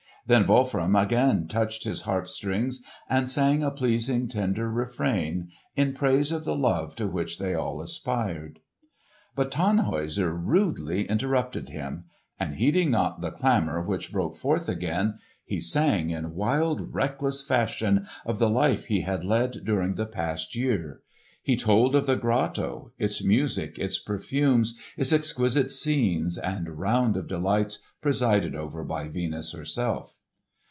Then Wolfram again touched his harp strings and sang a pleasing tender refrain in praise of the love to which they all aspired. But Tannhäuser rudely interrupted him, and heeding not the clamour which broke forth again, he sang in wild reckless fashion of the life he had led during the past year. He told of the grotto, its music, its perfumes, its exquisite scenes and round of delights presided over by Venus herself.